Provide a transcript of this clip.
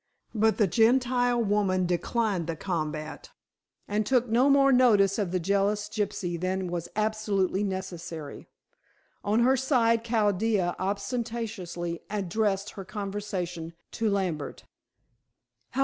But the Gentile lady declined the combat, and took no more notice of the jealous gypsy than was absolutely necessary. On her side Chaldea ostentatiously addressed her conversation to Lambert.